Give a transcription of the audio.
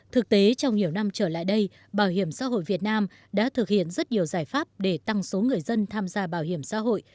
thực tế trong nhiều năm trở lại đây bảo hiểm xã hội việt nam đã thực hiện rất nhiều giải pháp để tăng số người dân tham gia bảo hiểm xã hội